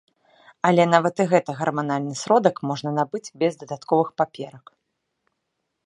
Але нават і гэты гарманальны сродак можна набыць без дадатковых паперак.